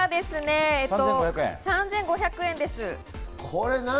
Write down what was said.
３５００円です。